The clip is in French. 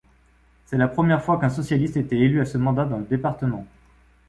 C'est la première fois qu'un socialiste était élu à ce mandat dans le département.